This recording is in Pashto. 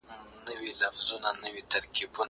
زه سبزېجات نه جمع کوم.